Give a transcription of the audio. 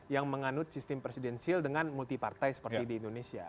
yang menganut sistem presidensil dengan multi partai seperti di indonesia